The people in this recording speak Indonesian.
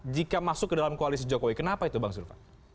jika masuk ke dalam koalisi jokowi kenapa itu bang zulfa